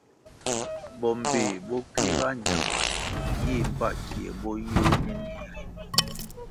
Bo mbpéh bo kuiga ñama yih mbpa kie bo yôh nenih ri.